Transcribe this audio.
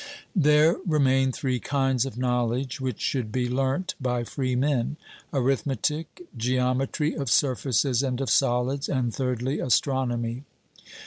There remain three kinds of knowledge which should be learnt by freemen arithmetic, geometry of surfaces and of solids, and thirdly, astronomy.